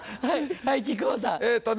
はい木久扇さん。